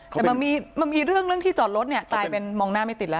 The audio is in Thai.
แต่มันมีเรื่องเรื่องที่จอดรถเนี่ยกลายเป็นมองหน้าไม่ติดแล้ว